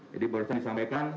jadi barusan disampaikan